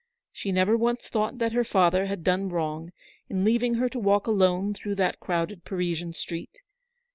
She never once thought that her father had done wrong in leaving her to walk alone through that crowded Parisian street.